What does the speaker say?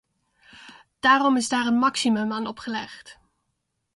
Daarom is daar een maximum aan opgelegd.